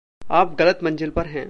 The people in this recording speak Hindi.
आप गलत मंज़िल पर हैं।